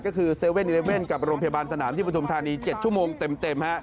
ก็คือ๗๑๑กับโรงพยาบาลสนามที่ปฐุมธานี๗ชั่วโมงเต็ม